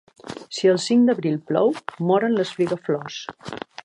Si el cinc d'abril plou, moren les figaflors.